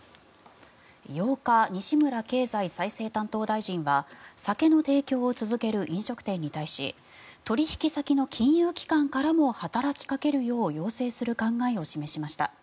８日、西村経済再生担当大臣は酒の提供を続ける飲食店に対し取引先の金融機関からも働きかけるよう要請する考えを示しました。